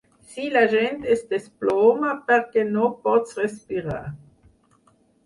Sí, la gent es desploma, perquè no pots respirar.